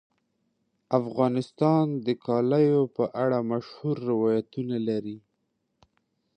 افغانستان د کلیو په اړه مشهور روایتونه لري.